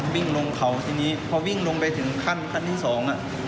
วิ่งลงเขาทีนี้พอวิ่งลงไปถึงขั้นขั้นขั้นที่สองอ่ะ